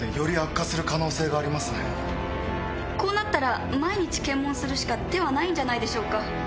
こうなったら毎日検問するしか手はないんじゃないでしょうか。